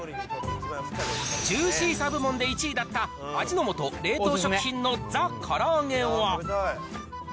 ジューシーさ部門で１位だった味の素冷凍食品のザ・から揚げは。